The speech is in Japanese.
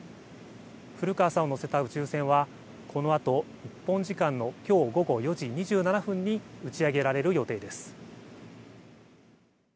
古川さんを乗せた宇宙船はこのあと日本時間のきょう午後４時２７分に打ち上げられる予定です。